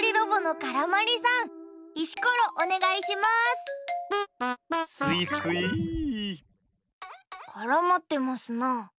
からまってますな。